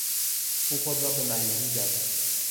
او خود را به مریضی زد.